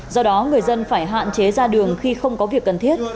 do đó người dân phải hạn chế ra đường khi không có việc cần thiết